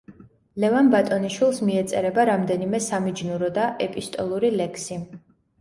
ლევან ბატონიშვილს მიეწერება რამდენიმე სამიჯნურო და ეპისტოლური ლექსი.